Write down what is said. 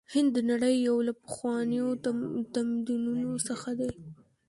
هند د نړۍ یو له پخوانیو تمدنونو څخه دی.